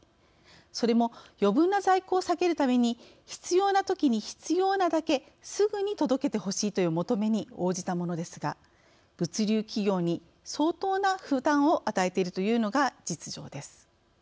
それも余分な在庫を避けるために必要なときに必要なだけすぐに届けてほしいという求めに応じたものですが物流企業に相当な負担を与えているというのが実情です。